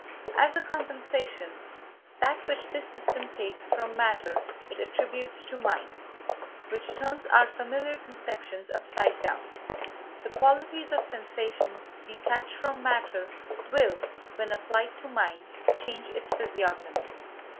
As a compensation, that which this system takes from matter it attributes to mind, which turns our familiar conceptions upside down. The qualities of sensation detached from matter will, when applied to mind, change its physiognomy.